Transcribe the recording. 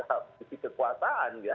akan siapa yang berjaya dia